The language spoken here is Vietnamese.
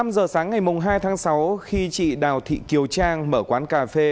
năm giờ sáng ngày hai tháng sáu khi chị đào thị kiều trang mở quán cà phê